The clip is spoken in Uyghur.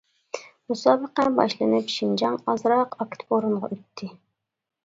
مۇسابىقە باشلىنىپ شىنجاڭ ئازراق ئاكتىپ ئورۇنغا ئۆتتى.